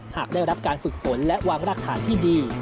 หากได้รับการฝึกฝนและวางรากฐานที่ดี